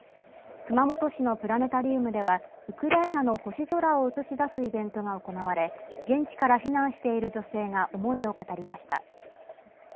熊本市のプラネタリウムではウクライナの星空を映し出すイベントが行われ現地から避難している女性が思いを語りました。